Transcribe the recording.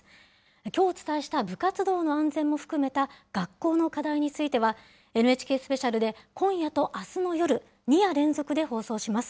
きょうお伝えした部活動の安全も含めた学校の課題については、ＮＨＫスペシャルで、今夜とあすの夜、２夜連続で放送します。